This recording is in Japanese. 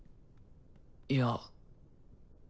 いや。